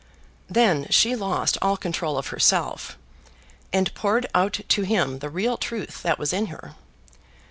Then she lost all control of herself, and poured out to him the real truth that was in her.